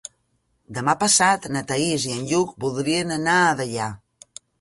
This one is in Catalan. Demà passat na Thaís i en Lluc voldrien anar a Deià.